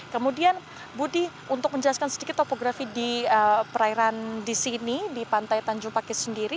kemudian budi untuk menjelaskan sedikit topografi di perairan di sini di pantai tanjung pakis sendiri